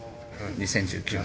２０１９年。